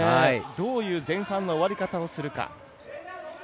どういう前半の終わり方をするか。